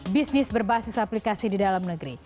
bisnis berbasis aplikasi di dalam negeri